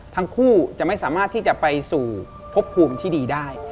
ทั้งคู่จะไม่สามารถที่จะไปสู่พบภูมิที่ดีได้